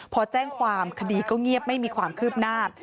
พอแจ้งความคดีก็เงียบไม่มีความคืบหน้า